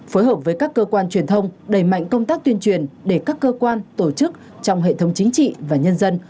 phối hợp với các cơ quan truyền thông đẩy mạnh công tác tuyên truyền để các cơ quan tổ chức trong hệ thống chính trị và nhân dân